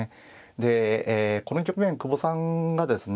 でこの局面久保さんがですね